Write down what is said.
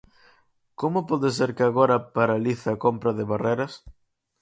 ¿Como pode ser que agora paralice a compra de Barreras?